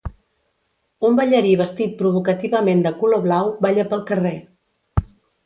Un ballarí vestit provocativament de color blau balla pel carrer